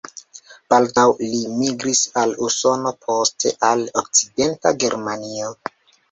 Baldaŭ li migris al Usono, poste al Okcidenta Germanio.